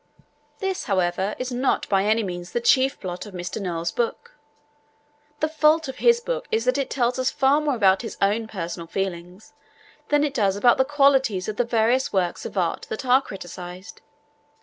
This, however, is not by any means the chief blot on Mr. Noel's book. The fault of his book is that it tells us far more about his own personal feelings than it does about the qualities of the various works of art that are criticised.